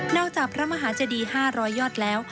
จากพระมหาเจดี๕๐๐ยอดแล้ว